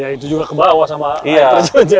ya itu juga kebawah sama air terjun